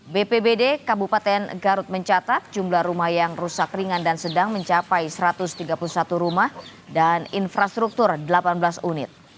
bpbd kabupaten garut mencatat jumlah rumah yang rusak ringan dan sedang mencapai satu ratus tiga puluh satu rumah dan infrastruktur delapan belas unit